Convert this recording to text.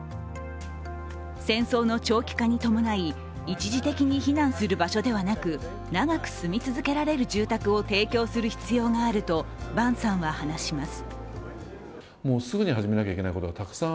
戦争の長期化に伴い一時的に避難する場所ではなく、長く住み続けられる住宅を提供する必要があると、坂さんは話します。